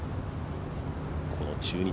この中日